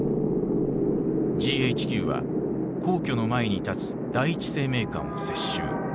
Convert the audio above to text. ＧＨＱは皇居の前に立つ第一生命館を接収。